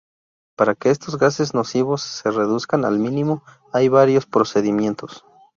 Para que estos gases nocivos se reduzcan al mínimo hay varios procedimientos.